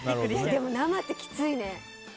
でも、生ってきついね。